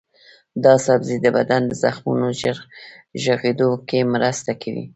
دا سبزی د بدن د زخمونو ژر رغیدو کې مرسته کوي.